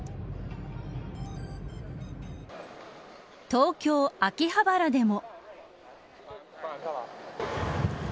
東京、秋葉原でも。